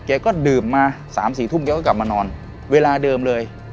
แกก็ดื่มมา๓๔ทุ่มแกก็กลับมานอนเวลาเดิมเลย